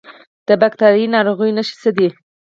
د باکتریایي ناروغیو نښې څه دي؟